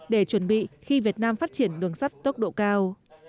để chuẩn bị khi việt nam phát triển đường sắt tốc độ cao